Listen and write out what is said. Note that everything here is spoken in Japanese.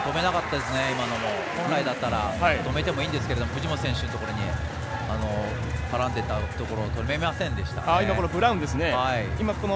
審判、本来だったら止めてもいいんですけど藤本選手のところにからんでいったところ止めませんでしたね。